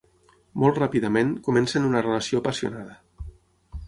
Molt ràpidament, comencen una relació apassionada.